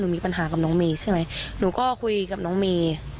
มีปัญหากับน้องเมย์ใช่ไหมหนูก็คุยกับน้องเมย์